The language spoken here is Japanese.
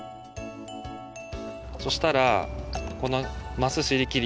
そしたらこのますすりきり